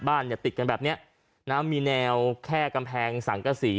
เนี่ยติดกันแบบเนี้ยนะมีแนวแค่กำแพงสังกษี